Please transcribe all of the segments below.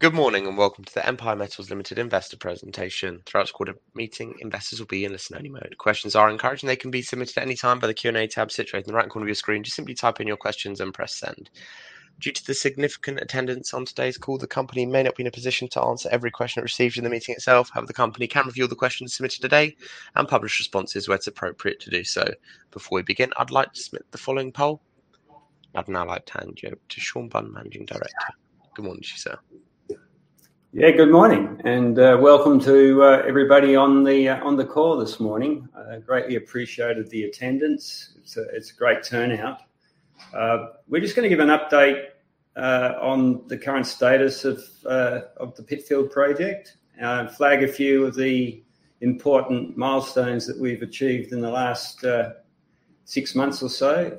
Good morning and welcome to the Empire Metals Limited Investor Presentation. Throughout this quarter meeting, investors will be in listen only mode. Questions are encouraged and they can be submitted at any time by the Q&A tab situated in the right corner of your screen. Just simply type in your questions and press send. Due to the significant attendance on today's call, the company may not be in a position to answer every question it receives in the meeting itself. However, the company can review the questions submitted today and publish responses where it's appropriate to do so. Before we begin, I'd like to submit the following poll. I'd now like to hand you over to Shaun Bunn, Managing Director. Good morning to you, sir. Yeah, good morning and welcome to everybody on the call this morning. We greatly appreciate the attendance. It's a great turnout. We're just going to give an update on the current status of the Pitfield Project, and flag a few of the important milestones that we've achieved in the last six months or so.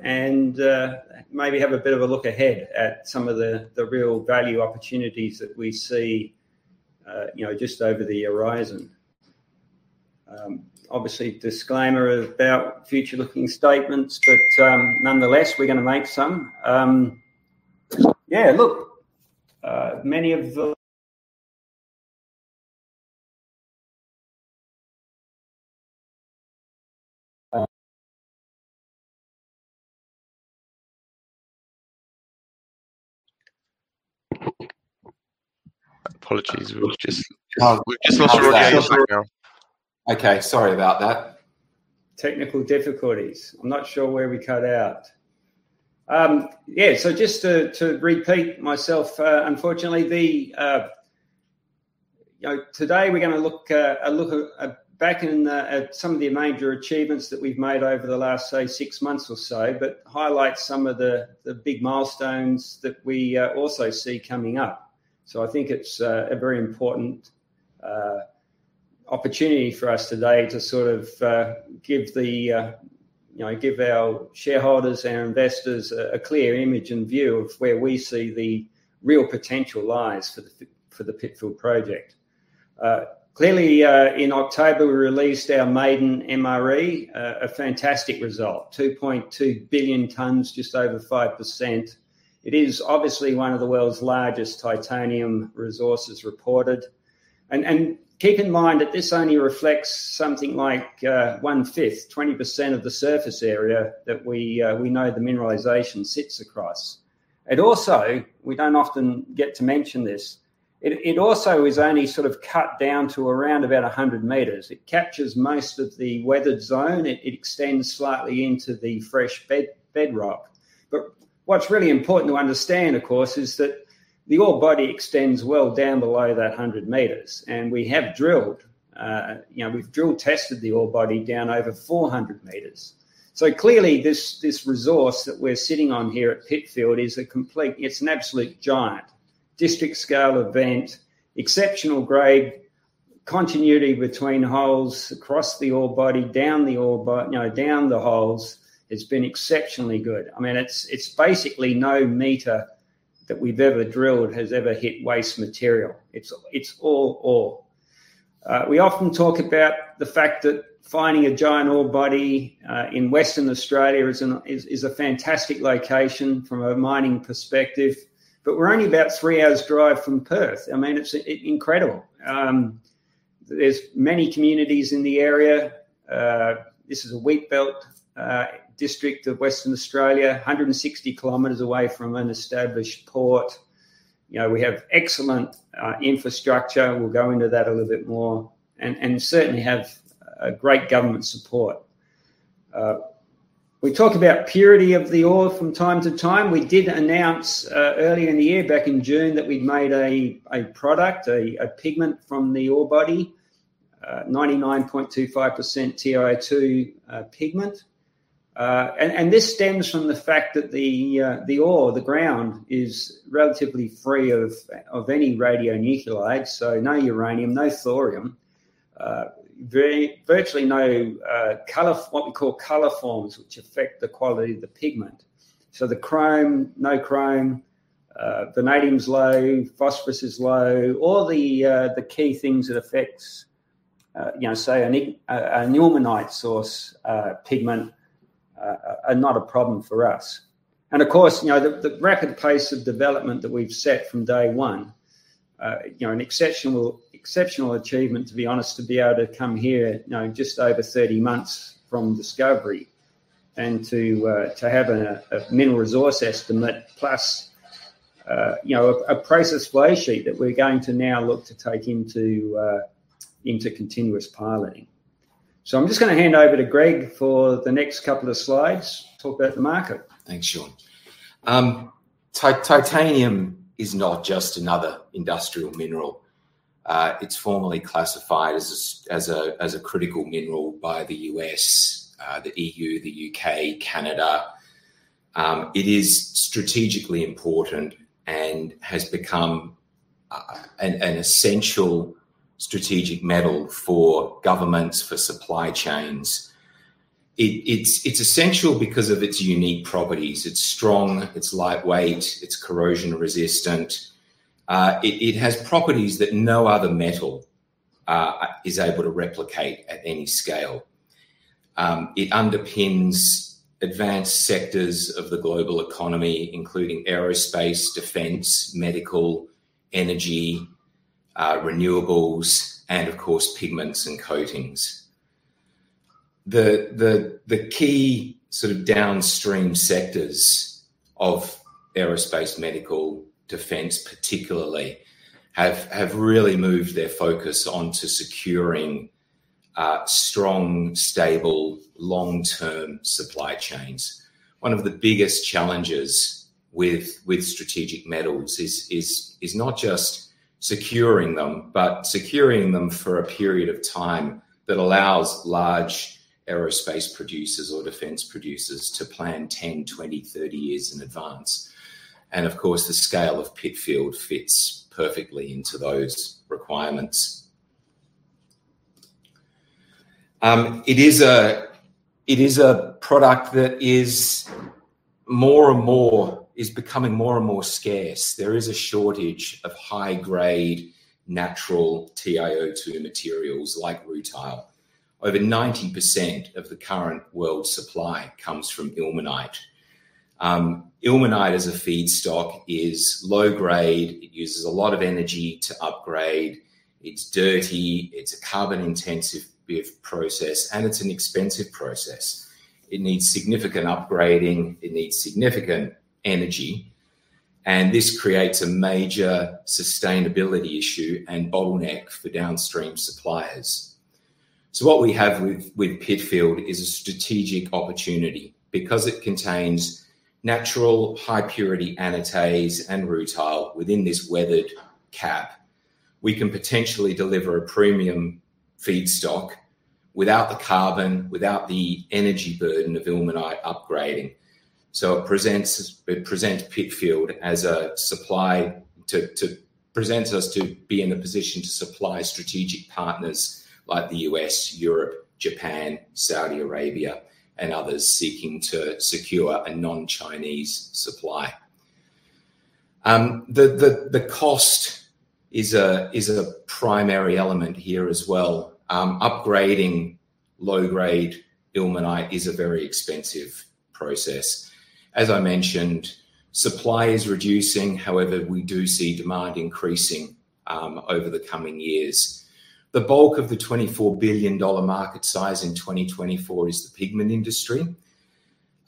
Maybe have a bit of a look ahead at some of the real value opportunities that we see just over the horizon. Obviously, disclaimer about future-looking statements, but nonetheless, we're going to make some. Yeah, look, many of the Apologies. Okay. Sorry about that. Technical difficulties. I'm not sure where we cut out. Yeah, just to repeat myself, unfortunately, today we're going to look back at some of the major achievements that we've made over the last, say, six months or so, but highlight some of the big milestones that we also see coming up. I think it's a very important opportunity for us today to sort of give our shareholders and our investors a clear image and view of where we see the real potential lies for the Pitfield Project. Clearly, in October, we released our maiden MRE, a fantastic result, 2.2 billion tonnes, just over 5%. It is obviously one of the world's largest titanium resources reported. Keep in mind that this only reflects something like one-fifth, 20% of the surface area that we know the mineralization sits across. We don't often get to mention this, it also is only sort of cut down to around about 100 m. It captures most of the weathered zone. It extends slightly into the fresh bedrock. What's really important to understand, of course, is that the ore body extends well down below that 100 m. We have drilled. We've drill tested the ore body down over 400 m. Clearly this resource that we're sitting on here at Pitfield is an absolute giant. District-scale event, exceptional grade, continuity between holes across the ore body, down the holes. It's been exceptionally good. I mean, it's basically no meter that we've ever drilled has ever hit waste material. It's all ore. We often talk about the fact that finding a giant ore body in Western Australia is a fantastic location from a mining perspective. We're only about three hours drive from Perth. I mean, it's incredible. There's many communities in the area. This is a wheat belt district of Western Australia, 160 km away from an established port. We have excellent infrastructure. We'll go into that a little bit more. Certainly have a great government support. We talk about purity of the ore from time to time. We did announce earlier in the year, back in June, that we'd made a product, a pigment from the ore body, 99.25% TiO2 pigment. This stems from the fact that the ore, the ground is relatively free of any radionuclides. No uranium, no thorium, virtually no what we call color formers, which affect the quality of the pigment. The chrome, no chrome, vanadium's low, phosphorus is low. All the key things that affects, say an ilmenite source pigment are not a problem for us. Of course, the rapid pace of development that we've set from day one, an exceptional achievement, to be honest, to be able to come here just over 30 months from discovery and to have a mineral resource estimate plus a process flow sheet that we're going to now look to take into continuous piloting. I'm just going to hand over to Greg for the next couple of slides, talk about the market. Thanks, Shaun. Titanium is not just another industrial mineral. It's formally classified as a critical mineral by the U.S., the EU, the U.K., Canada. It is strategically important and has become an essential strategic metal for governments, for supply chains. It's essential because of its unique properties. It's strong, it's lightweight, it's corrosion resistant. It has properties that no other metal is able to replicate at any scale. It underpins advanced sectors of the global economy, including aerospace, defense, medical, energy, renewables, and of course, pigments and coatings. The key downstream sectors of aerospace, medical, defense particularly, have really moved their focus onto securing strong, stable, long-term supply chains. One of the biggest challenges with strategic metals is not just securing them, but securing them for a period of time that allows large aerospace producers or defense producers to plan 10, 20, 30 years in advance. Of course, the scale of Pitfield fits perfectly into those requirements. It is a product that is becoming more and more scarce. There is a shortage of high-grade natural TiO2 materials like rutile. Over 90% of the current world supply comes from ilmenite. Ilmenite as a feedstock is low grade. It uses a lot of energy to upgrade. It's dirty. It's a carbon-intensive process, and it's an expensive process. It needs significant upgrading, it needs significant energy, and this creates a major sustainability issue and bottleneck for downstream suppliers. What we have with Pitfield is a strategic opportunity because it contains natural high purity anatase and rutile within this weathered cap. We can potentially deliver a premium feedstock without the carbon, without the energy burden of ilmenite upgrading. It presents us to be in the position to supply strategic partners like the U.S., Europe, Japan, Saudi Arabia, and others seeking to secure a non-Chinese supply. The cost is a primary element here as well. Upgrading low-grade ilmenite is a very expensive process. As I mentioned, supply is reducing. However, we do see demand increasing over the coming years. The bulk of the $24 billion market size in 2024 is the pigment industry.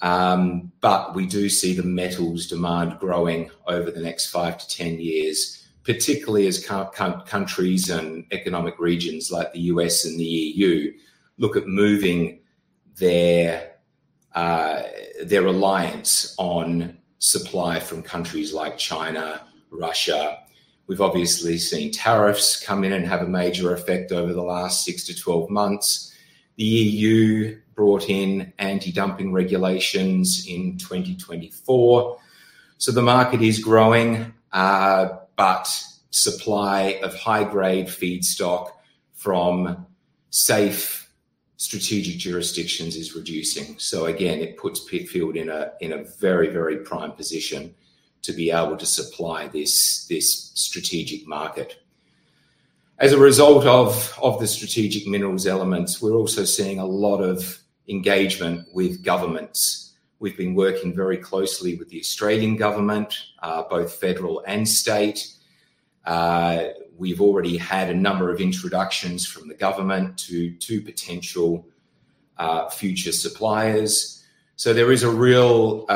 We do see the metals demand growing over the next 5-10 years, particularly as countries and economic regions like the U.S. and the EU look at moving their reliance on supply from countries like China, Russia. We've obviously seen tariffs come in and have a major effect over the last 6-12 months. The EU brought in anti-dumping regulations in 2024. The market is growing, but supply of high-grade feedstock from safe strategic jurisdictions is reducing. Again, it puts Pitfield in a very, very prime position to be able to supply this strategic market. As a result of the strategic minerals elements, we're also seeing a lot of engagement with governments. We've been working very closely with the Australian government, both federal and state. We've already had a number of introductions from the government to two potential future suppliers. There's a real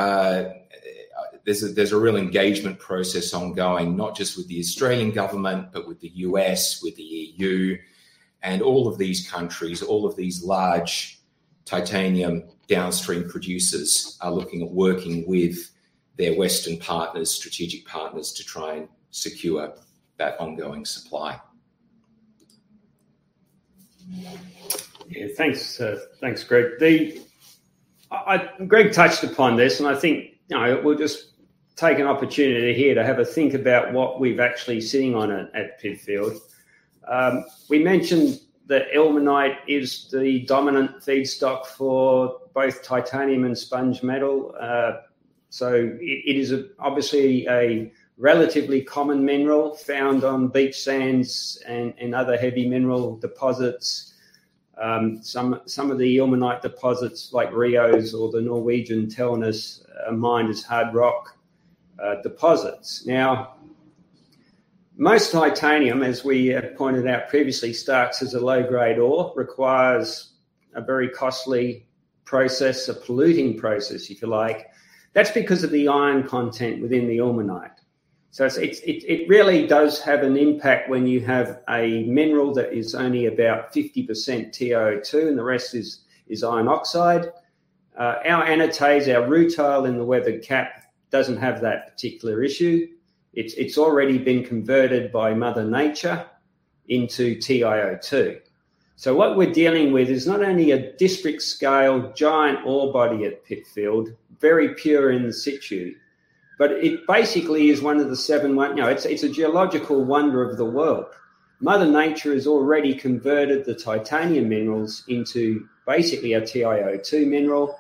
engagement process ongoing, not just with the Australian government, but with the U.S., with the EU, and all of these countries, all of these large titanium downstream producers are looking at working with their Western partners, strategic partners, to try and secure that ongoing supply. Yeah. Thanks, Greg. Greg touched upon this, and I think we'll just take an opportunity here to have a think about what we've actually seen on it at Pitfield. We mentioned that ilmenite is the dominant feedstock for both titanium and sponge metal. It is obviously a relatively common mineral found on beach sands and other heavy mineral deposits. Some of the ilmenite deposits like Rio's or the Norwegian Tellnes mine is hard rock deposits. Now, most titanium, as we have pointed out previously, starts as a low-grade ore, requires a very costly process, a polluting process, if you like. That's because of the iron content within the ilmenite. It really does have an impact when you have a mineral that is only about 50% TiO2, and the rest is iron oxide. Our anatase, our rutile in the weathered cap doesn't have that particular issue. It's already been converted by Mother Nature into TiO2. What we're dealing with is not only a district-scale giant ore body at Pitfield, very pure in situ, but it basically is one of the seven. It's a geological wonder of the world. Mother Nature has already converted the titanium minerals into basically a TiO2 mineral.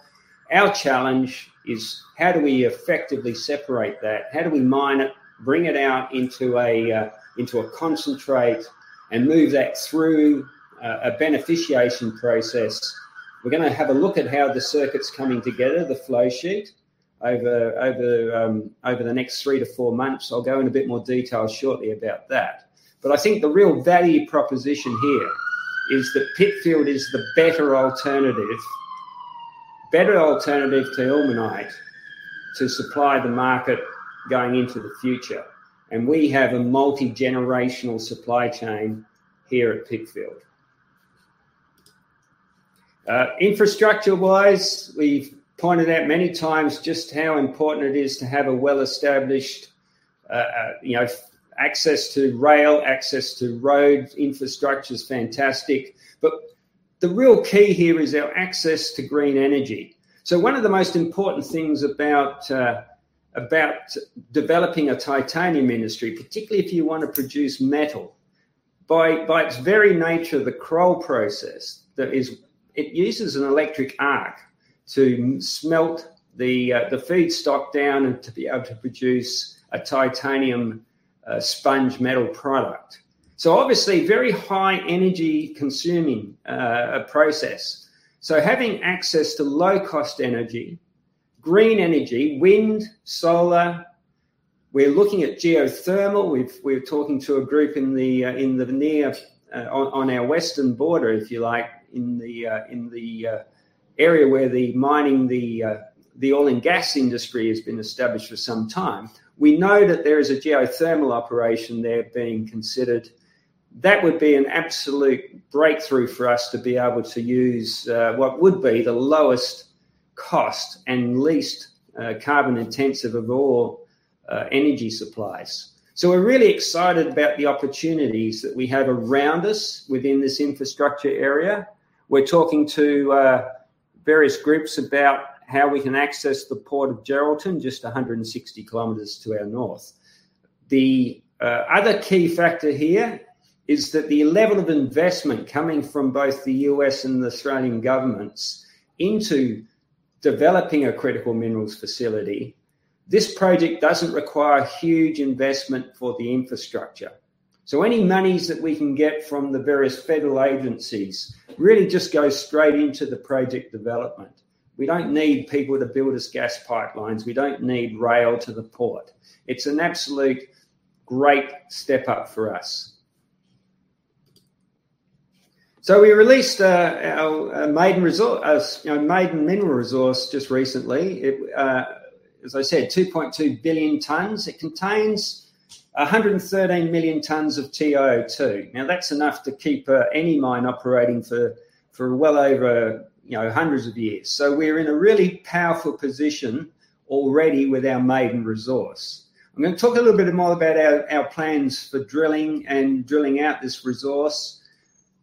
Our challenge is how do we effectively separate that? How do we mine it, bring it out into a concentrate, and move that through a beneficiation process? We're going to have a look at how the circuit's coming together, the flow sheet, over the next three to four months. I'll go in a bit more detail shortly about that. I think the real value proposition here is that Pitfield is the better alternative to ilmenite to supply the market going into the future, and we have a multi-generational supply chain here at Pitfield. Infrastructure-wise, we've pointed out many times just how important it is to have a well-established access to rail, access to roads. Infrastructure's fantastic. The real key here is our access to green energy. One of the most important things about developing a titanium industry, particularly if you want to produce metal. By its very nature, the Kroll process, it uses an electric arc to smelt the feedstock down to be able to produce a titanium sponge metal product. Obviously, very high energy-consuming process. Having access to low-cost energy, green energy, wind, solar. We're looking at geothermal. We're talking to a group on our Western border, if you like, in the area where the oil and gas industry has been established for some time. We know that there is a geothermal operation there being considered. That would be an absolute breakthrough for us to be able to use what would be the lowest cost and least carbon-intensive of all energy supplies. We're really excited about the opportunities that we have around us within this infrastructure area. We're talking to various groups about how we can access the Port of Geraldton, just 160 km to our north. The other key factor here is that the level of investment coming from both the U.S. and the Australian governments into developing a critical minerals facility. This project doesn't require huge investment for the infrastructure. Any monies that we can get from the various federal agencies really just goes straight into the project development. We don't need people to build us gas pipelines. We don't need rail to the port. It's an absolute great step up for us. We released our maiden mineral resource just recently. As I said, 2.2 billion tonnes. It contains 113 million tonnes of TiO2. Now, that's enough to keep any mine operating for well over hundreds of years. We're in a really powerful position already with our maiden resource. I'm going to talk a little bit more about our plans for drilling and drilling out this resource.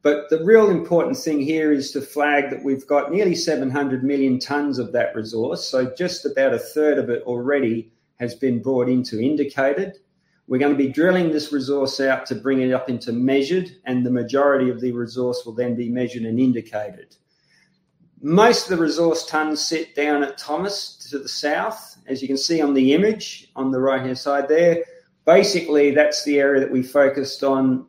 The real important thing here is to flag that we've got nearly 700 million tonnes of that resource. Just about 1/3 of it already has been brought into indicated. We're going to be drilling this resource out to bring it up into measured, and the majority of the resource will then be measured and indicated. Most of the resource tonnes sit down at Thomas to the south, as you can see on the image on the right-hand side there. Basically, that's the area that we focused on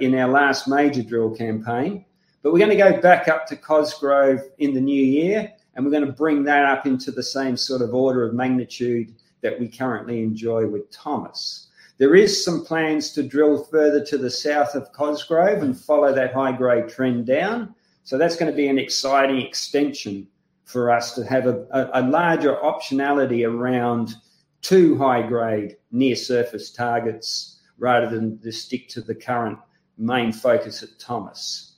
in our last major drill campaign. We're going to go back up to Cosgrove in the new year, and we're going to bring that up into the same sort of order of magnitude that we currently enjoy with Thomas. There is some plans to drill further to the south of Cosgrove and follow that high-grade trend down. That's going to be an exciting extension for us to have a larger optionality around two high-grade near-surface targets rather than just stick to the current main focus at Thomas.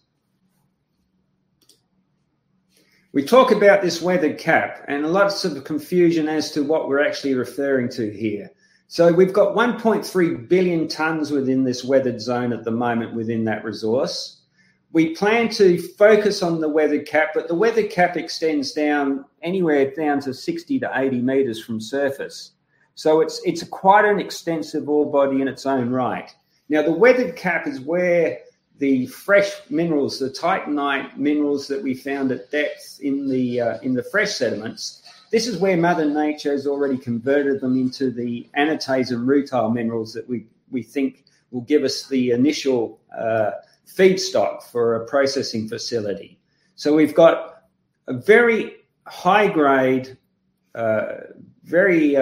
We talk about this weathered cap, and lots of confusion as to what we're actually referring to here. We've got 1.3 billion tonnes within this weathered zone at the moment within that resource. We plan to focus on the weathered cap, but the weathered cap extends down anywhere to 60-80 m from surface. It's quite an extensive ore body in its own right. Now, the weathered cap is where the fresh minerals, the titanite minerals that we found at depth in the fresh sediments. This is where Mother Nature has already converted them into the anatase and rutile minerals that we think will give us the initial feedstock for a processing facility. We've got a very high-grade, very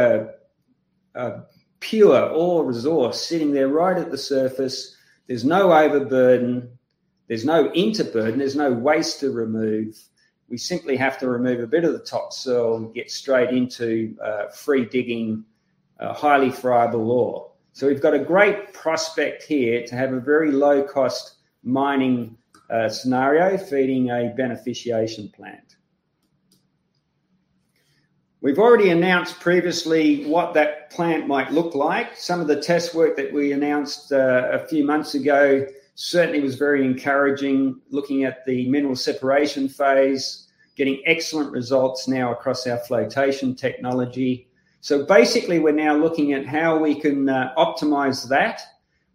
pure ore resource sitting there right at the surface. There's no overburden. There's no interburden. There's no waste to remove. We simply have to remove a bit of the topsoil and get straight into free-digging, highly friable ore. We've got a great prospect here to have a very low-cost mining scenario feeding a beneficiation plant. We've already announced previously what that plant might look like. Some of the test work that we announced a few months ago certainly was very encouraging. Looking at the mineral separation phase, we're getting excellent results now across our flotation technology. Basically, we're now looking at how we can optimize that.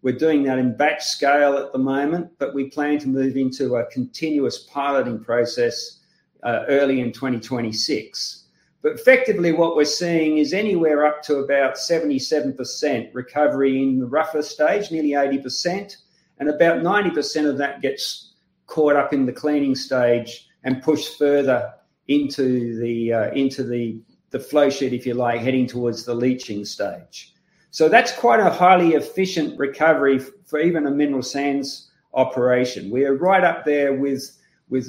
We're doing that in batch scale at the moment, but we plan to move into a continuous piloting process early in 2026. Effectively, what we're seeing is anywhere up to about 77% recovery in the rougher stage, nearly 80%, and about 90% of that gets caught up in the cleaning stage and pushed further into the flow sheet, if you like, heading towards the leaching stage. That's quite a highly efficient recovery for even a mineral sands operation. We are right up there with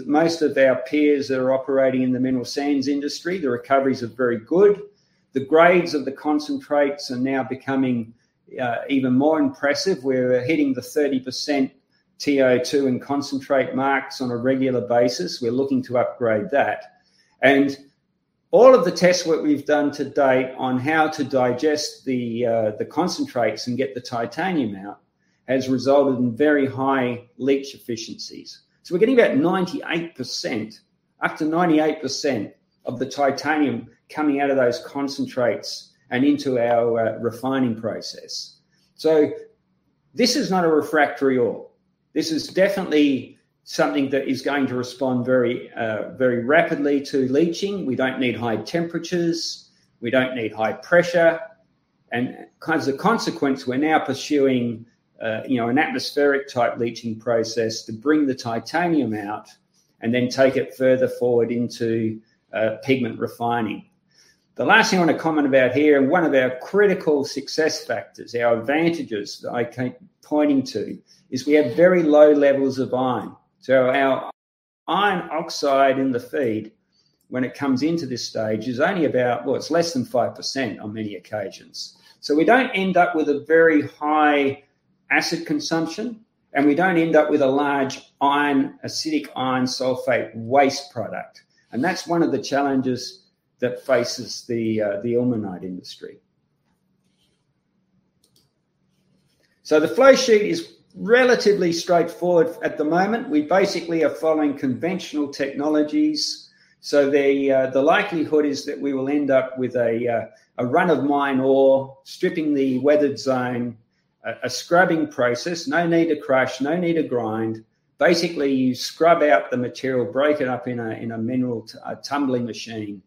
most of our peers that are operating in the mineral sands industry. The recoveries are very good. The grades of the concentrates are now becoming even more impressive. We're hitting the 30% TiO2 in concentrate marks on a regular basis. We're looking to upgrade that. All of the test work we've done to date on how to digest the concentrates and get the titanium out has resulted in very high leach efficiencies. We're getting about 98%, up to 98% of the titanium coming out of those concentrates and into our refining process. This is not a refractory ore. This is definitely something that is going to respond very rapidly to leaching. We don't need high temperatures. We don't need high pressure. As a consequence, we're now pursuing an atmospheric-type leaching process to bring the titanium out and then take it further forward into pigment refining. The last thing I want to comment about here, and one of our critical success factors, our advantages that I keep pointing to, is we have very low levels of iron. Our iron oxide in the feed when it comes into this stage is only about, well, it's less than 5% on many occasions. We don't end up with a very high acid consumption, and we don't end up with a large acidic iron sulfate waste product. That's one of the challenges that faces the ilmenite industry. The flow sheet is relatively straightforward at the moment. We basically are following conventional technologies. The likelihood is that we will end up with a run of mine ore stripping the weathered zone, a scrubbing process, no need to crush, no need to grind. Basically, you scrub out the material, break it up in a mineral tumbling machine.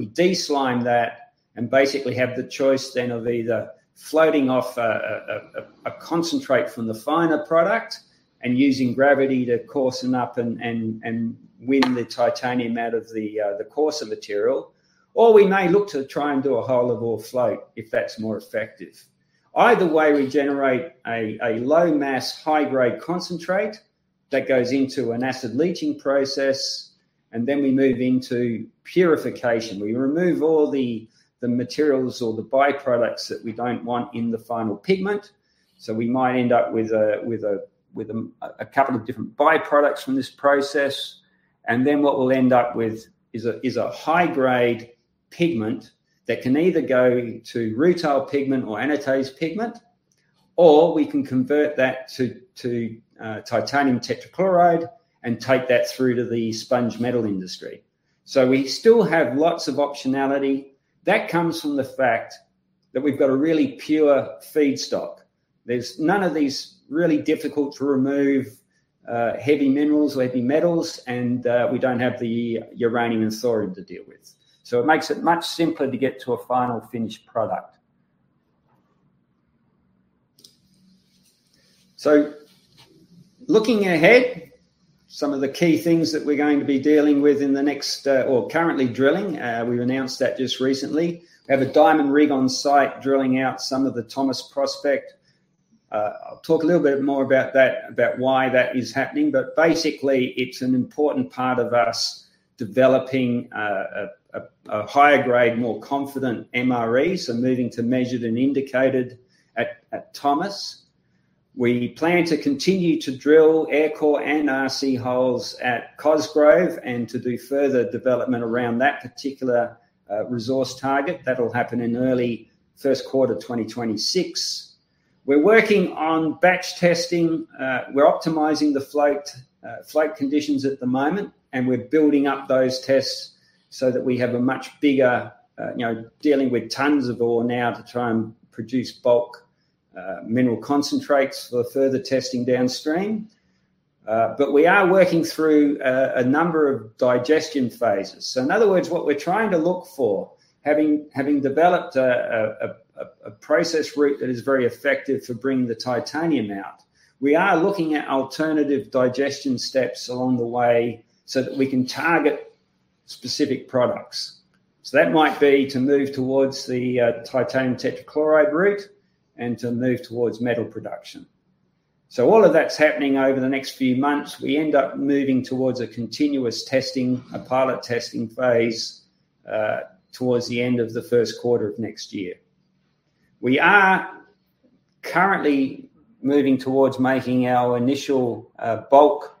We de-slime that and basically have the choice then of either floating off a concentrate from the finer product and using gravity to coarsen up and win the titanium out of the coarser material. We may look to try and do a whole-of-ore float if that's more effective. Either way, we generate a low-mass, high-grade concentrate that goes into an acid leaching process, and then we move into purification. We remove all the materials or the by-products that we don't want in the final pigment. We might end up with a couple of different by-products from this process. Then what we'll end up with is a high-grade pigment that can either go to rutile pigment or anatase pigment, or we can convert that to titanium tetrachloride and take that through to the sponge metal industry. We still have lots of optionality. That comes from the fact that we've got a really pure feedstock. There's none of these really difficult-to-remove heavy minerals, heavy metals, and we don't have the uranium and thorium to deal with. It makes it much simpler to get to a final finished product. Looking ahead, some of the key things that we're currently drilling. We've announced that just recently. We have a diamond rig on site drilling out some of the Thomas prospect. I'll talk a little bit more about that, about why that is happening. Basically, it's an important part of us developing a higher grade, more confident MRE, so moving to measured and indicated at Thomas. We plan to continue to drill Air Core and RC holes at Cosgrove and to do further development around that particular resource target. That'll happen in early first quarter 2026. We're working on batch testing. We're optimizing the float conditions at the moment, and we're building up those tests so that we have a much bigger, dealing with tonnes of ore now to try and produce bulk mineral concentrates for further testing downstream. We are working through a number of digestion phases. In other words, what we're trying to look for, having developed a process route that is very effective for bringing the titanium out, we are looking at alternative digestion steps along the way so that we can target specific products. That might be to move towards the titanium tetrachloride route and to move towards metal production. All of that's happening over the next few months. We end up moving towards a continuous testing, a pilot testing phase, towards the end of the first quarter of next year. We are currently moving towards making our initial bulk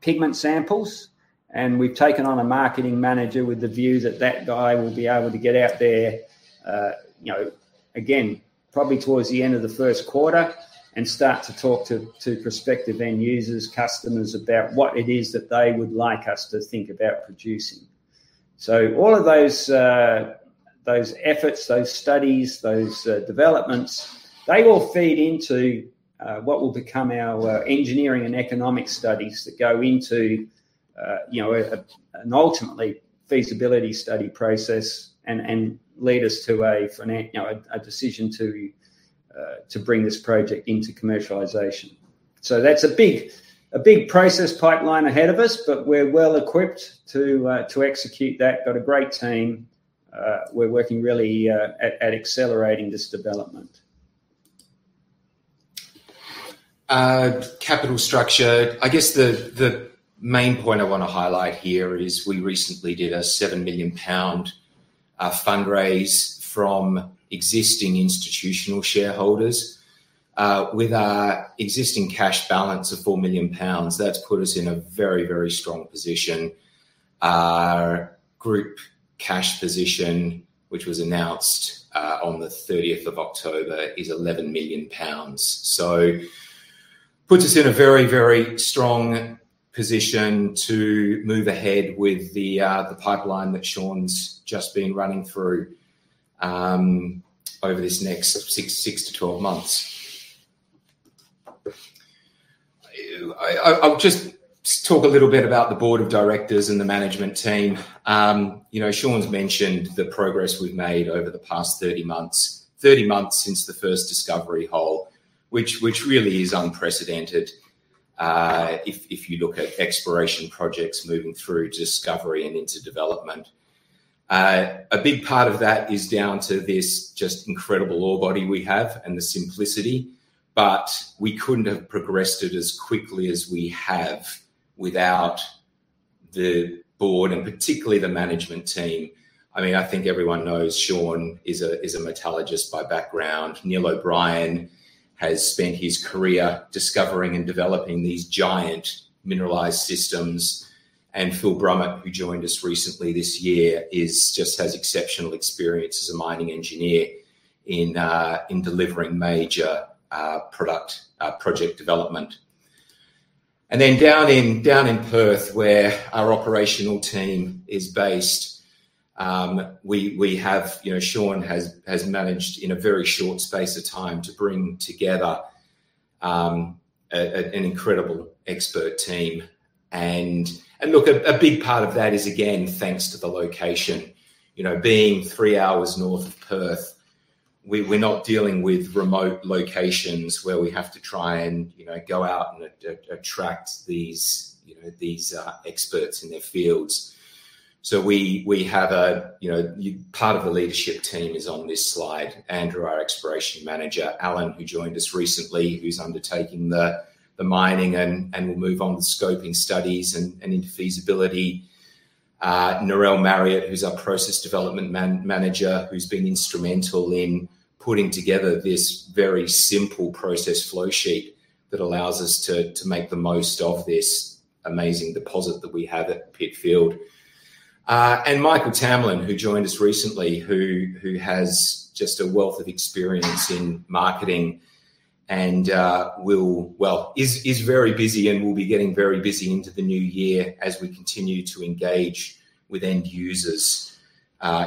pigment samples, and we've taken on a marketing manager with the view that that guy will be able to get out there, again, probably towards the end of the first quarter and start to talk to prospective end users, customers about what it is that they would like us to think about producing. All of those efforts, those studies, those developments, they will feed into what will become our engineering and economic studies that go into an ultimately feasibility study process and lead us to a decision to bring this project into commercialization. That's a big process pipeline ahead of us, but we're well-equipped to execute that. Got a great team. We're working really at accelerating this development. Capital structure. I guess the main point I want to highlight here is we recently did a 7 million pound fundraise from existing institutional shareholders. With our existing cash balance of 4 million pounds, that's put us in a very strong position. Our group cash position, which was announced on the 30th of October, is 11 million pounds. Puts us in a very strong position to move ahead with the pipeline that Shaun's just been running through over this next 6-12 months. I'll just talk a little bit about the board of directors and the management team. Shaun's mentioned the progress we've made over the past 30 months. 30 months since the first discovery hole, which really is unprecedented if you look at exploration projects moving through discovery and into development. A big part of that is down to this just incredible ore body we have and the simplicity, but we couldn't have progressed it as quickly as we have without the board and particularly the management team. I think everyone knows Shaun is a metallurgist by background. Neil O'Brien has spent his career discovering and developing these giant mineralized systems, and Phillip Brumit, who joined us recently this year, just has exceptional experience as a mining engineer in delivering major project development. Down in Perth where our operational team is based, Shaun has managed, in a very short space of time, to bring together an incredible expert team. Look, a big part of that is, again, thanks to the location. Being three hours north of Perth, we're not dealing with remote locations where we have to try and go out and attract these experts in their fields. Part of the leadership team is on this slide. Andrew, our Exploration Manager. Alan, who joined us recently, who's undertaking the mining and will move on with scoping studies and into feasibility. Narelle Marriott, who's our Process Development Manager, who's been instrumental in putting together this very simple process flow sheet that allows us to make the most of this amazing deposit that we have at Pitfield. Michael Tamlin, who joined us recently, who has just a wealth of experience in marketing and is very busy and will be getting very busy into the new year as we continue to engage with end users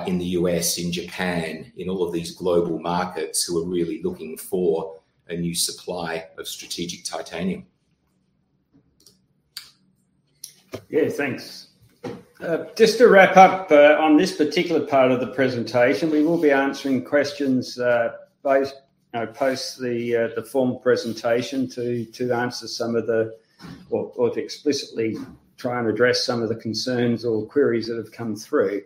in the U.S., in Japan, in all of these global markets who are really looking for a new supply of strategic titanium. Yeah, thanks. Just to wrap up on this particular part of the presentation, we will be answering questions post the formal presentation or to explicitly try and address some of the concerns or queries that have come through.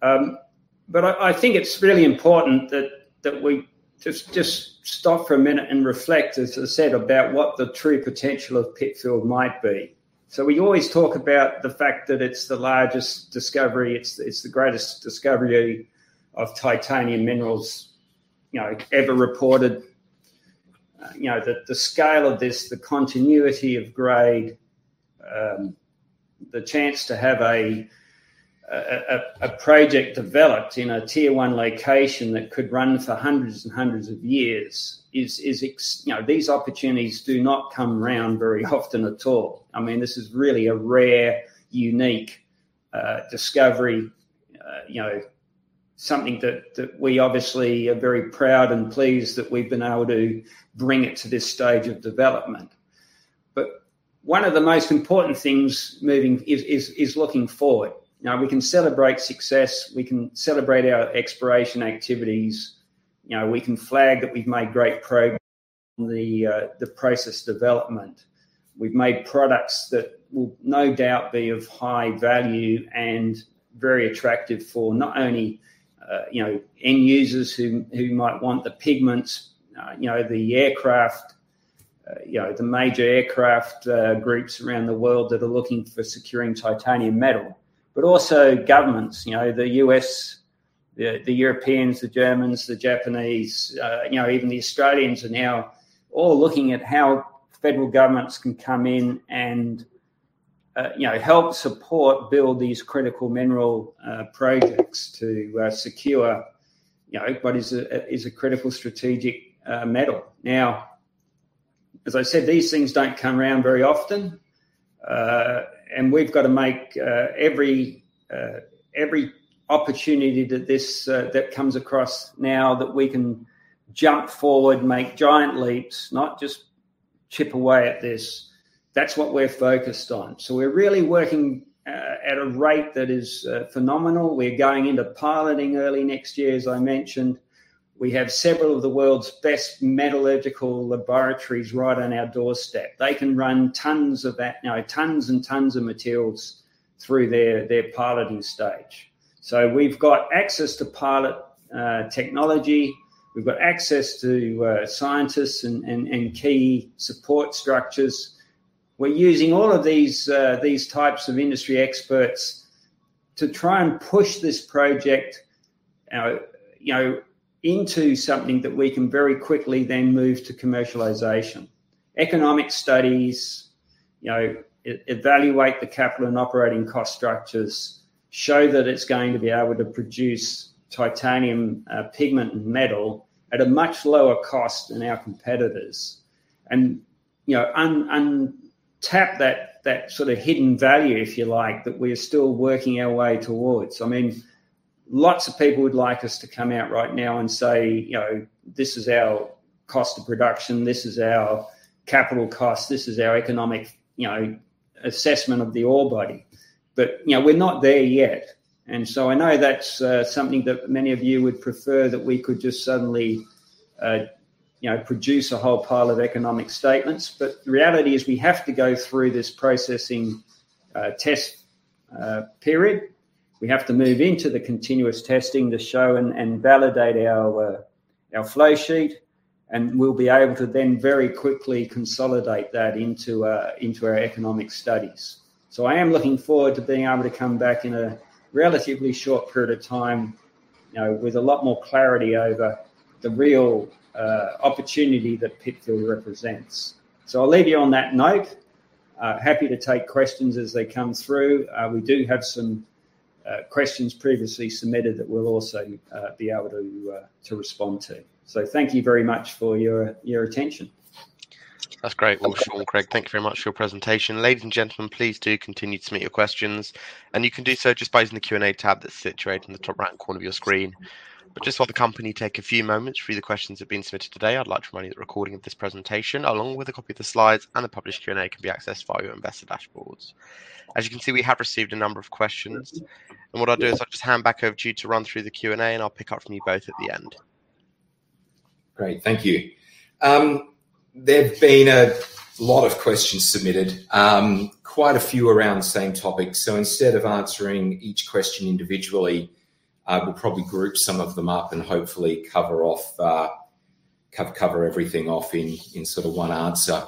I think it's really important that we just stop for a minute and reflect, as I said, about what the true potential of Pitfield might be. We always talk about the fact that it's the largest discovery, it's the greatest discovery of titanium minerals ever reported. The scale of this, the continuity of grade, the chance to have a project developed in a Tier 1 location that could run for hundreds and hundreds of years is. These opportunities do not come around very often at all. This is really a rare, unique discovery. Something that we obviously are very proud and pleased that we've been able to bring it to this stage of development. One of the most important things is looking forward. Now, we can celebrate success. We can celebrate our exploration activities. We can flag that we've made great progress on the process development. We've made products that will no doubt be of high value and very attractive for not only end users who might want the pigments, the major aircraft groups around the world that are looking for securing titanium metal, but also governments. The U.S., the Europeans, the Germans, the Japanese, even the Australians are now all looking at how federal governments can come in and help support build these critical mineral projects to secure what is a critical strategic metal. Now, as I said, these things don't come around very often. We've got to make every opportunity that comes across now that we can jump forward, make giant leaps, not just chip away at this. That's what we're focused on. We're really working at a rate that is phenomenal. We're going into piloting early next year, as I mentioned. We have several of the world's best metallurgical laboratories right on our doorstep. They can run tonnes of that now, tonnes and tonnes of materials through their piloting stage. We've got access to pilot technology. We've got access to scientists and key support structures. We're using all of these types of industry experts to try and push this project into something that we can very quickly then move to commercialization. Economic studies evaluate the capital and operating cost structures, show that it's going to be able to produce titanium pigment and metal at a much lower cost than our competitors. Untap that sort of hidden value, if you like, that we are still working our way towards. Lots of people would like us to come out right now and say, "This is our cost of production. This is our capital cost. This is our economic assessment of the ore body." We're not there yet. I know that's something that many of you would prefer that we could just suddenly produce a whole pile of economic statements. The reality is we have to go through this processing test period. We have to move into the continuous testing to show and validate our flow sheet. We'll be able to then very quickly consolidate that into our economic studies. I am looking forward to being able to come back in a relatively short period of time with a lot more clarity over the real opportunity that Pitfield represents. I'll leave you on that note. Happy to take questions as they come through. We do have some questions previously submitted that we'll also be able to respond to. Thank you very much for your attention. That's great. Well, Shaun, Greg, thank you very much for your presentation. Ladies and gentlemen, please do continue to submit your questions, and you can do so just by using the Q&A tab that's situated in the top right corner of your screen. But just while the company take a few moments to read the questions that have been submitted today, I'd like to remind you that a recording of this presentation, along with a copy of the slides and the published Q&A, can be accessed via your investor dashboards. As you can see, we have received a number of questions. What I'll do is I'll just hand back over to you to run through the Q&A, and I'll pick up from you both at the end. Great. Thank you. There've been a lot of questions submitted. Quite a few around the same topic. Instead of answering each question individually, we'll probably group some of them up and hopefully cover everything off in sort of one answer.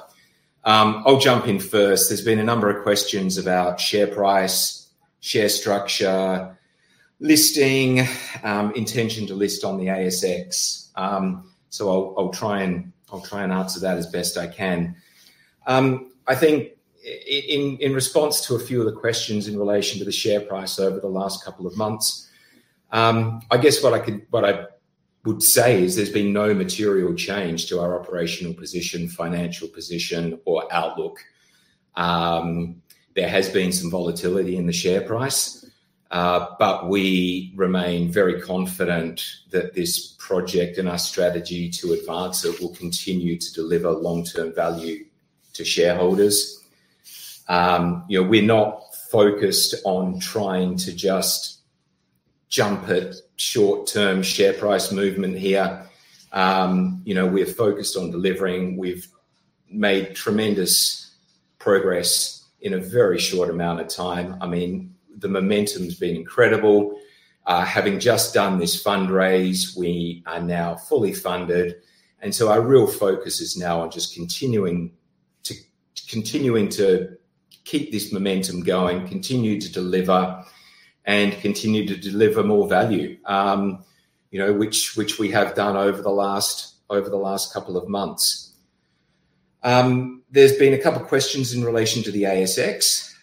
I'll jump in first. There's been a number of questions about share price, share structure, listing, intention to list on the ASX. I'll try and answer that as best I can. I think in response to a few of the questions in relation to the share price over the last couple of months, I guess what I would say is there's been no material change to our operational position, financial position or outlook. There has been some volatility in the share price. We remain very confident that this project and our strategy to advance it will continue to deliver long-term value to shareholders. We're not focused on trying to just jump at short-term share price movement here. We're focused on delivering. We've made tremendous progress in a very short amount of time. The momentum's been incredible. Having just done this fundraise, we are now fully funded. Our real focus is now on just continuing to keep this momentum going, continue to deliver and continue to deliver more value, which we have done over the last couple of months. There's been a couple of questions in relation to the ASX.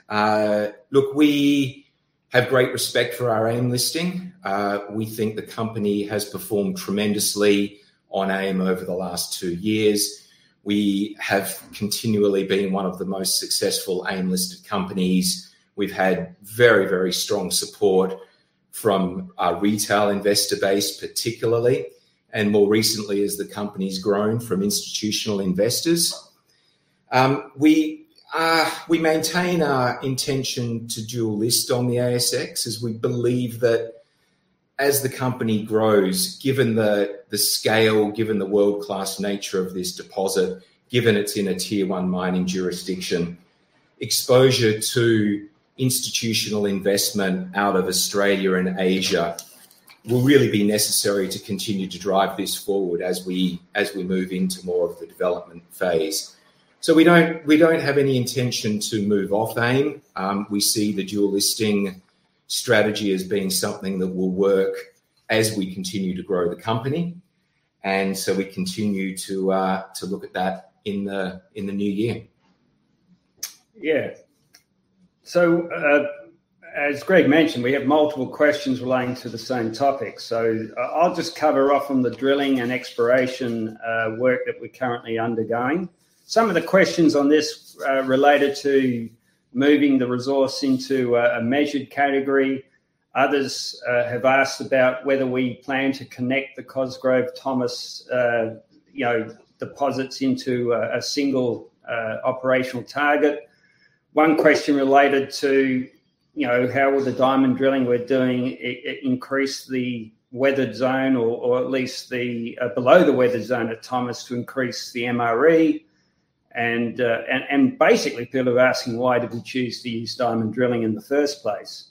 Look, we have great respect for our AIM listing. We think the company has performed tremendously on AIM over the last two years. We have continually been one of the most successful AIM-listed companies. We've had very, very strong support from our retail investor base particularly, and more recently as the company's grown, from institutional investors. We maintain our intention to dual list on the ASX as we believe that as the company grows, given the scale, given the world-class nature of this deposit, given it's in a Tier 1 mining jurisdiction, exposure to institutional investment out of Australia and Asia will really be necessary to continue to drive this forward as we move into more of the development phase. We don't have any intention to move off AIM. We see the dual listing strategy as being something that will work as we continue to grow the company. We continue to look at that in the new year. Yeah. As Greg mentioned, we have multiple questions relating to the same topic. I'll just cover off on the drilling and exploration work that we're currently undergoing. Some of the questions on this related to moving the resource into a measured category. Others have asked about whether we plan to connect the Cosgrove, Thomas deposits into a single operational target. One question related to how will the diamond drilling we're doing increase the weathered zone or at least below the weathered zone at Thomas to increase the MRE? Basically, people are asking why did we choose to use diamond drilling in the first place.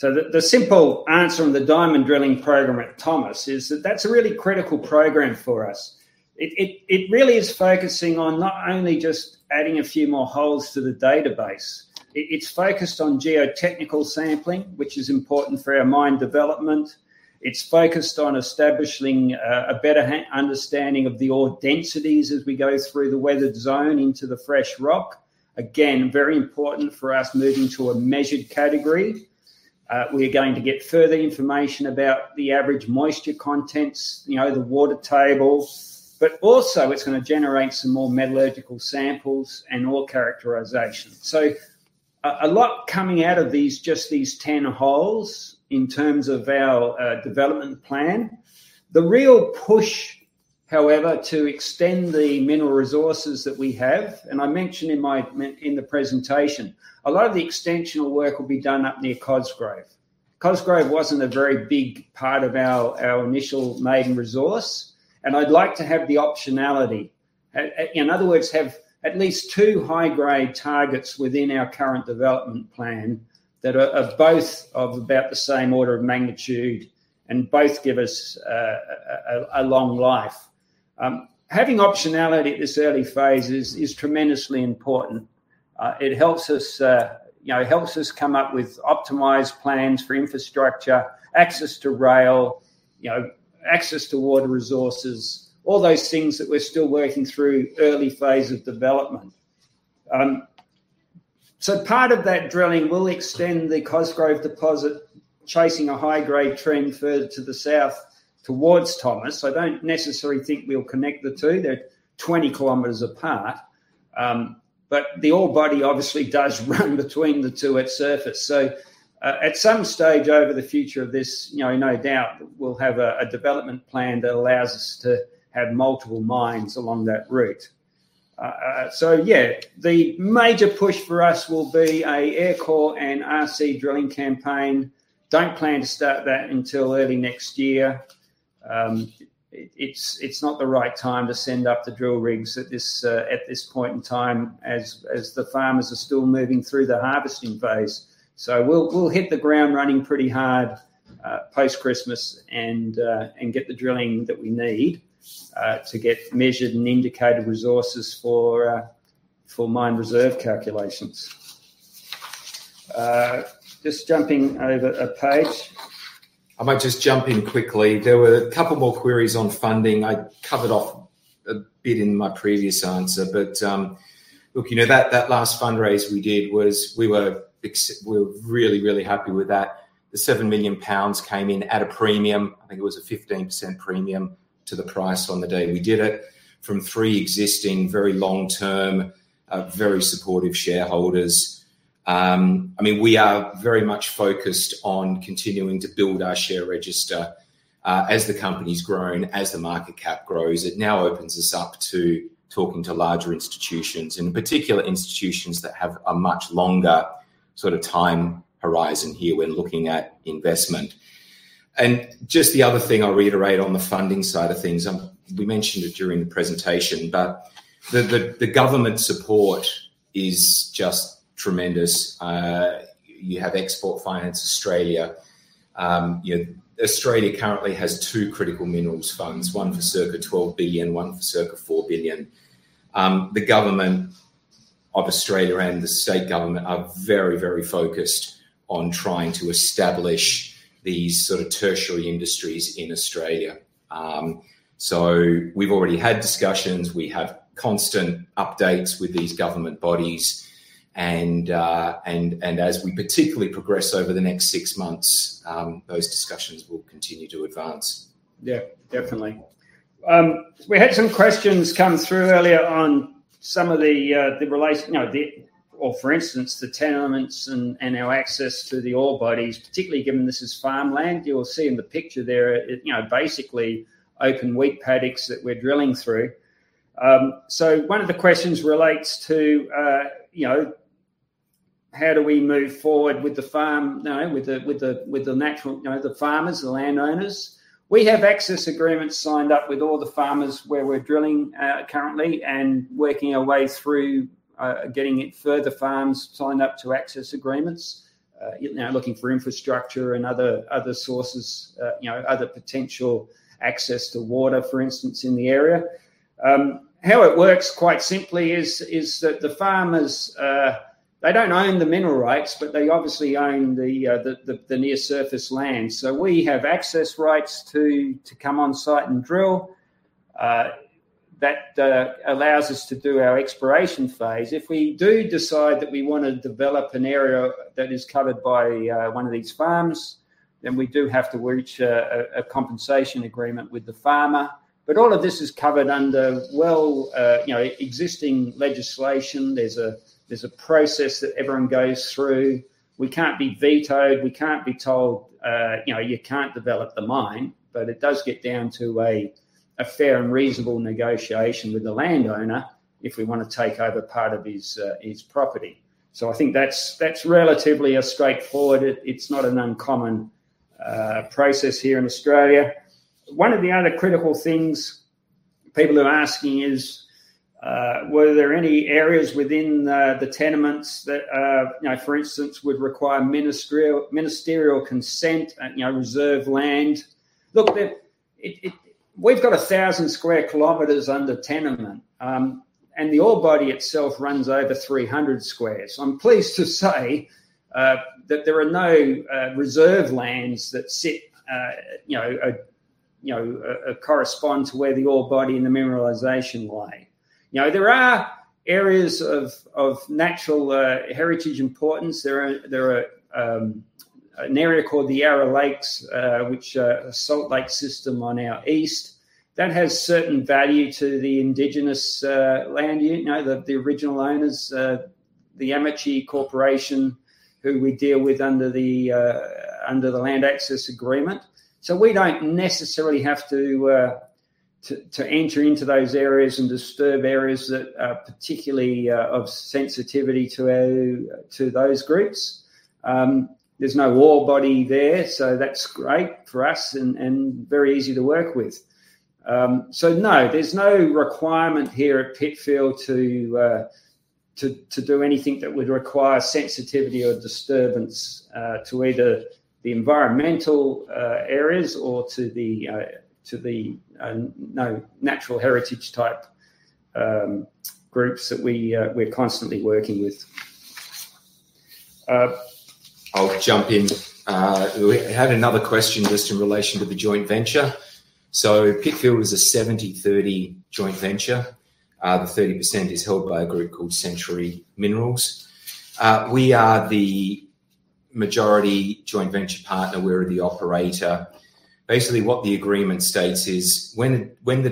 The simple answer on the diamond drilling program at Thomas is that's a really critical program for us. It really is focusing on not only just adding a few more holes to the database. It's focused on geotechnical sampling, which is important for our mine development. It's focused on establishing a better understanding of the ore densities as we go through the weathered zone into the fresh rock. Again, very important for us moving to a measured category. We're going to get further information about the average moisture contents, the water tables, but also it's going to generate some more metallurgical samples and ore characterization. A lot coming out of just these 10 holes in terms of our development plan. The real push, however, to extend the mineral resources that we have, and I mentioned in the presentation, a lot of the extensional work will be done up near Cosgrove. Cosgrove wasn't a very big part of our initial maiden resource, and I'd like to have the optionality. In other words, have at least two high-grade targets within our current development plan that are both of about the same order of magnitude and both give us a long life. Having optionality at this early phase is tremendously important. It helps us come up with optimized plans for infrastructure, access to rail, access to water resources, all those things that we're still working through early phase of development. Part of that drilling will extend the Cosgrove deposit, chasing a high-grade trend further to the south towards Thomas. I don't necessarily think we'll connect the two. They're 20 km apart. The ore body obviously does run between the two at surface. At some stage over the future of this, no doubt we'll have a development plan that allows us to have multiple mines along that route. Yeah, the major push for us will be an Air Core and RC drilling campaign. Don't plan to start that until early next year. It's not the right time to send up the drill rigs at this point in time as the farmers are still moving through the harvesting phase. We'll hit the ground running pretty hard post-Christmas and get the drilling that we need to get measured and indicated resources for mine reserve calculations. Just jumping over a page. I might just jump in quickly. There were a couple more queries on funding. I covered off a bit in my previous answer, but look, that last fundraise we did, we're really happy with that. The 7 million pounds came in at a premium. I think it was a 15% premium to the price on the day we did it from three existing, very long-term, very supportive shareholders. We are very much focused on continuing to build our share register. As the company's grown, as the market cap grows, it now opens us up to talking to larger institutions, and in particular, institutions that have a much longer sort of time horizon here when looking at investment. Just the other thing I'll reiterate on the funding side of things, we mentioned it during the presentation, but the government support is just tremendous. You have Export Finance Australia. Australia currently has two critical minerals funds, one for circa 12 billion, one for circa 4 billion. The government of Australia and the state government are very focused on trying to establish these sort of tertiary industries in Australia. We've already had discussions. We have constant updates with these government bodies and as we particularly progress over the next six months, those discussions will continue to advance. Yeah, definitely. We had some questions come through earlier on, for instance, the tenements and our access to the ore bodies, particularly given this is farmland. You'll see in the picture there, basically open wheat paddocks that we're drilling through. One of the questions relates to how do we move forward with the farmers, the landowners. We have access agreements signed up with all the farmers where we're drilling currently and working our way through getting the further farms signed up to access agreements. Now looking for infrastructure and other sources, other potential access to water, for instance, in the area. How it works quite simply is that the farmers, they don't own the mineral rights, but they obviously own the near surface land. We have access rights to come on site and drill. That allows us to do our exploration phase. If we do decide that we want to develop an area that is covered by one of these farms, then we do have to reach a compensation agreement with the farmer. All of this is covered under well existing legislation. There's a process that everyone goes through. We can't be vetoed. We can't be told, "You can't develop the mine." It does get down to a fair and reasonable negotiation with the landowner if we want to take over part of his property. I think that's relatively straightforward. It's not an uncommon process here in Australia. One of the other critical things people are asking is, were there any areas within the tenements that, for instance, would require ministerial consent, reserve land? Look, we've got 1,000 sq km under tenement. The ore body itself runs over 300 sq km. I'm pleased to say that there are no reserve lands that correspond to where the ore body and the mineralization lie. There are areas of natural heritage importance. There are an area called the Yarra Lakes, which are a salt lake system on our east. That has certain value to the Indigenous land, the original owners, the Yamatji Corporation, who we deal with under the land access agreement. We don't necessarily have to enter into those areas and disturb areas that are particularly of sensitivity to those groups. There's no ore body there, so that's great for us and very easy to work with. No, there's no requirement here at Pitfield to do anything that would require sensitivity or disturbance to either the environmental areas or to the natural heritage type groups that we're constantly working with. I'll jump in. We had another question just in relation to the joint venture. Pitfield is a 70/30 joint venture. The 30% is held by a group called Century Minerals. We are the majority joint venture partner. We're the operator. Basically, what the agreement states is when a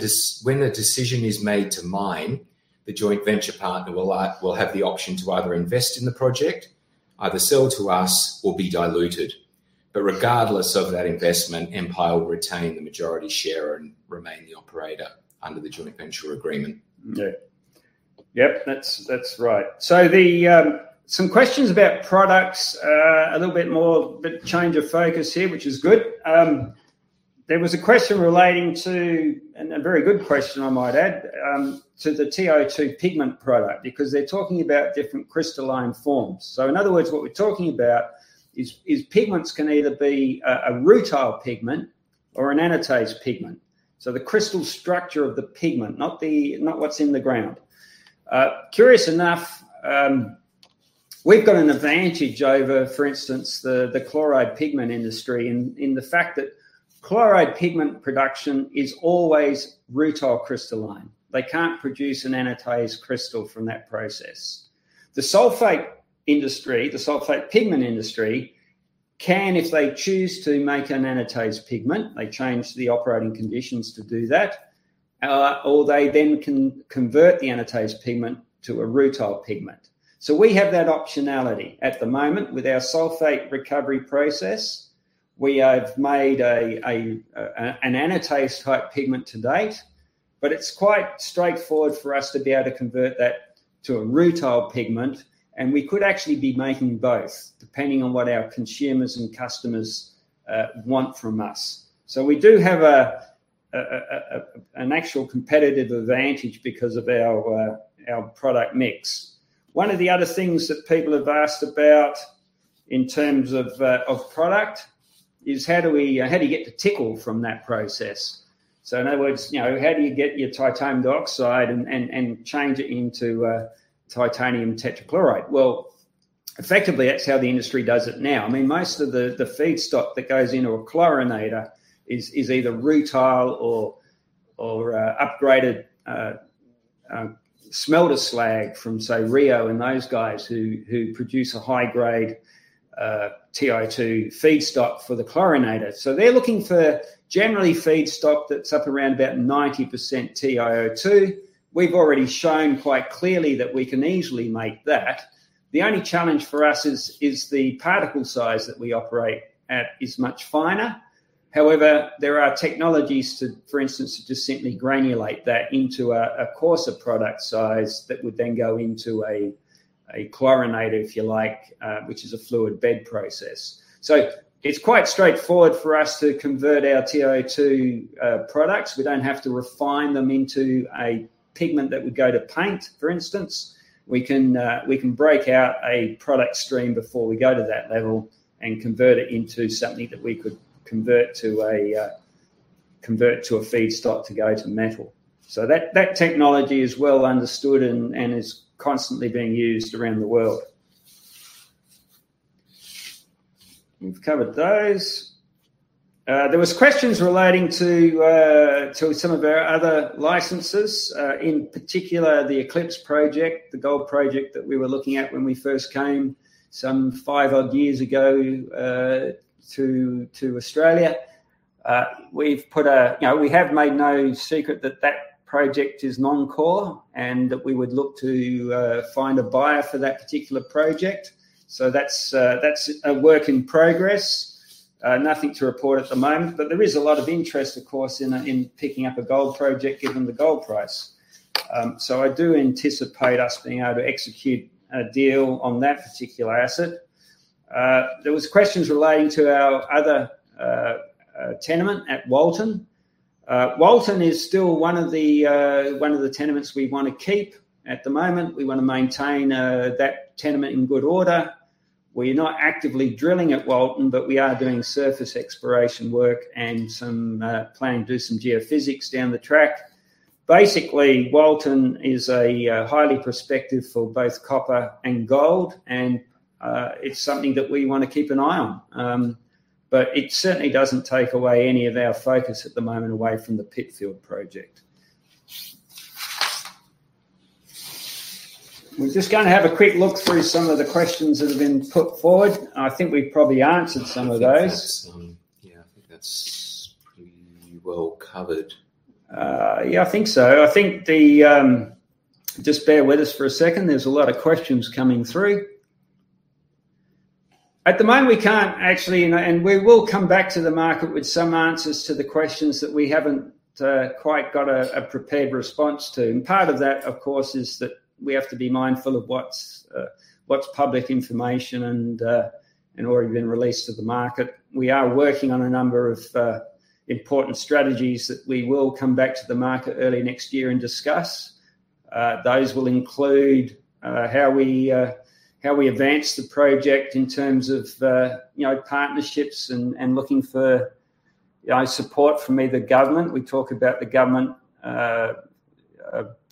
decision is made to mine, the joint venture partner will have the option to either invest in the project, either sell to us or be diluted. Regardless of that investment, Empire will retain the majority share and remain the operator under the joint venture agreement. Yeah. That's right. Some questions about products, a little bit more change of focus here, which is good. There was a question relating to and a very good question, I might add, to the TiO2 pigment product, because they're talking about different crystalline forms. In other words, what we're talking about is pigments can either be a rutile pigment or an anatase pigment. The crystal structure of the pigment, not what's in the ground. Curious enough, we've got an advantage over, for instance, the chloride pigment industry in the fact that chloride pigment production is always rutile crystalline. They can't produce an anatase crystal from that process. The sulfate pigment industry can, if they choose to, make an anatase pigment. They change the operating conditions to do that. They then can convert the anatase pigment to a rutile pigment. We have that optionality. At the moment with our sulfate recovery process, we have made an anatase-type pigment to date, but it's quite straightforward for us to be able to convert that to a rutile pigment, and we could actually be making both depending on what our consumers and customers want from us. We do have an actual competitive advantage because of our product mix. One of the other things that people have asked about in terms of product is how do you get the TiCl4 from that process? In other words, how do you get your titanium dioxide and change it into titanium tetrachloride? Well, effectively, that's how the industry does it now. Most of the feedstock that goes into a chlorinator is either rutile or upgraded smelter slag from, say, Rio and those guys who produce a high-grade TiO2 feedstock for the chlorinator. They're looking for generally feedstock that's up around about 90% TiO2. We've already shown quite clearly that we can easily make that. The only challenge for us is the particle size that we operate at is much finer. However, there are technologies to, for instance, to simply granulate that into a coarser product size that would then go into a chlorinator, if you like, which is a fluid bed process. It's quite straightforward for us to convert our TiO2 products. We don't have to refine them into a pigment that would go to paint, for instance. We can break out a product stream before we go to that level and convert it into something that we could convert to a feedstock to go to metal. That technology is well understood and is constantly being used around the world. We've covered those. There was questions relating to some of our other licenses, in particular the Eclipse project, the gold project that we were looking at when we first came some five odd years ago to Australia. We have made no secret that that project is non-core and that we would look to find a buyer for that particular project. That's a work in progress. Nothing to report at the moment. There is a lot of interest, of course, in picking up a gold project, given the gold price. I do anticipate us being able to execute a deal on that particular asset. There was questions relating to our other tenement at Walton. Walton is still one of the tenements we want to keep at the moment. We want to maintain that tenement in good order. We're not actively drilling at Walton, but we are doing surface exploration work and some planning to do some geophysics down the track. Basically, Walton is highly prospective for both copper and gold, and it's something that we want to keep an eye on. It certainly doesn't take away any of our focus at the moment away from the Pitfield Project. We're just going to have a quick look through some of the questions that have been put forward. I think we've probably answered some of those. I think that's pretty well covered. Yeah, I think so. Just bear with us for a second. There's a lot of questions coming through. At the moment, we can't actually. We will come back to the market with some answers to the questions that we haven't quite got a prepared response to. Part of that, of course, is that we have to be mindful of what's public information and already been released to the market. We are working on a number of important strategies that we will come back to the market early next year and discuss. Those will include how we advance the project in terms of partnerships and looking for support from either government. We talk about the government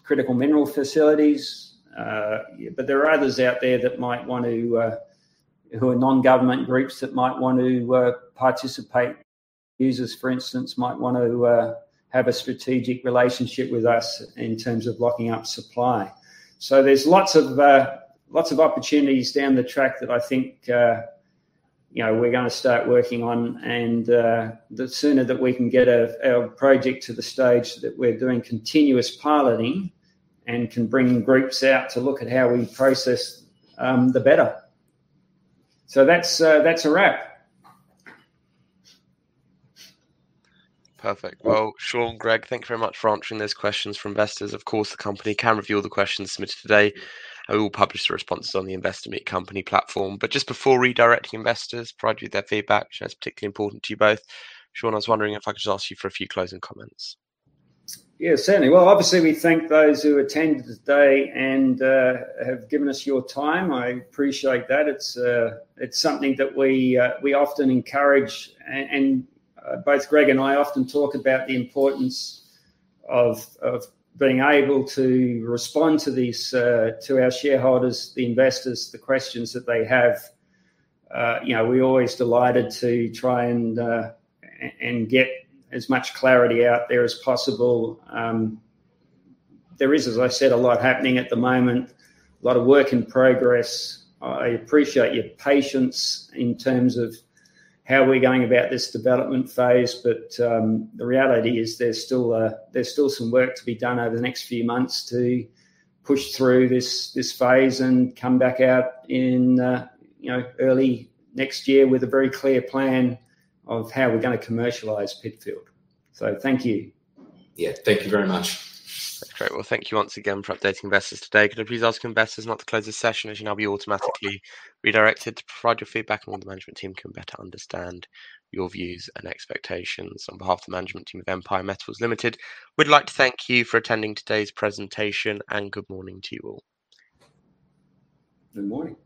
critical mineral facilities. There are others out there who are non-government groups that might want to participate. Users, for instance, might want to have a strategic relationship with us in terms of locking up supply. There's lots of opportunities down the track that I think we're going to start working on. The sooner that we can get our project to the stage that we're doing continuous piloting and can bring groups out to look at how we process, the better. That's a wrap. Perfect. Well, Shaun, Greg, thank you very much for answering those questions from investors. Of course, the company can review all the questions submitted today, and we will publish the responses on the Investor Meet Company platform. Just before redirecting investors, provide you their feedback, which is particularly important to you both. Shaun, I was wondering if I could just ask you for a few closing comments. Yeah, certainly. Well, obviously, we thank those who attended today and have given us your time. I appreciate that. It's something that we often encourage. Both Greg and I often talk about the importance of being able to respond to our shareholders, the investors, the questions that they have. We're always delighted to try and get as much clarity out there as possible. There is, as I said, a lot happening at the moment, a lot of work in progress. I appreciate your patience in terms of how we're going about this development phase. The reality is there's still some work to be done over the next few months to push through this phase and come back out in early next year with a very clear plan of how we're going to commercialize Pitfield. Thank you. Yeah. Thank you very much. That's great. Well, thank you once again for updating investors today. Can I please ask investors not to close this session, as you'll now be automatically redirected to provide your feedback on what the management team can better understand your views and expectations. On behalf of the management team of Empire Metals Limited, we'd like to thank you for attending today's presentation, and good morning to you all. Good morning.